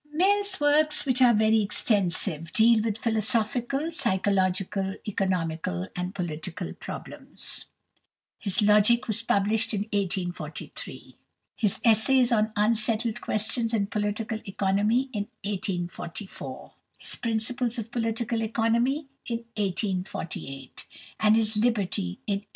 Mill's works, which are very extensive, deal with philosophical, psychological, economical, and political problems. His "Logic" was published in 1843, his "Essays on Unsettled Questions in Political Economy" in 1844, his "Principles of Political Economy" in 1848, and his "Liberty" in 1858.